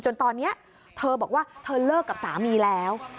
จนตอนนี้เธอบอกว่าเธอเลิกกับสามีแล้ว